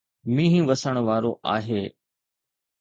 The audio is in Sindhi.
مينهن وسڻ وارو آهي